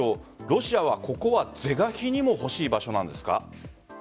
ロシアはここは是が非にも欲しい場所なんですか？